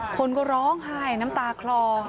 คนก็ร้องไห้น้ำตาคลอ